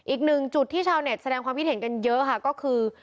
อีกหนึ่งจุดที่ชาวเน็ตแสดงความคิดเห็นกันเยอะค่ะก็คือ